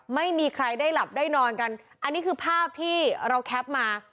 ไม่มีใครได้หลับได้นอนกันอันนี้คือภาพที่เราแคปมา